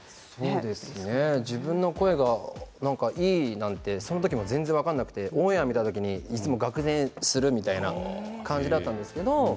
そうですね、自分の声がいいなんてその時も全然分からなくてオンエア見た時にいつも、がく然とするという感じだったんですけど。